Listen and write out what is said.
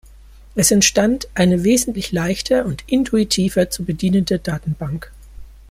Es entstand eine wesentlich leichter und intuitiver zu bedienende Datenbank.